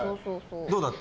どうだった？